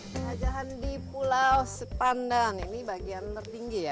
kejajahan di pulau sepandang ini bagian tertinggi ya